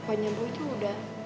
papanya boy itu udah